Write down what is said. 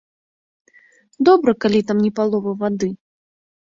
Добра, калі там не палова вады.